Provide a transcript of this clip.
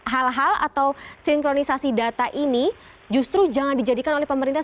hal hal atau sinkronisasi data ini justru jangan dijadikan oleh pemerintah